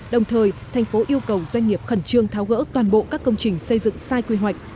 đồng thời thành phố yêu cầu doanh nghiệp khẩn trương tháo gỡ toàn bộ các công trình xây dựng sai quy hoạch